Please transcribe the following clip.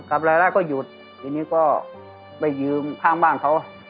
รายได้ก็หยุดทีนี้ก็ไปยืมข้างบ้านเขา